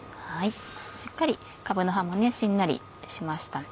しっかりかぶの葉もしんなりしました。